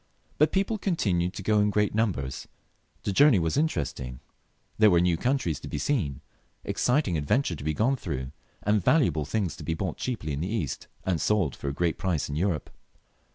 But people continued to go in great numbers; the journey was interesting, there were new countries to be seen, exciting adventures to be gone through, and valuable things to be bought cheaply in the East, and sold for a great price in Europe.